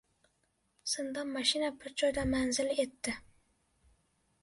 Zindonmashina bir joyda manzil etdi.